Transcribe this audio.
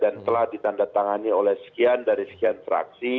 dan telah ditandatangani oleh sekian dari sekian fraksi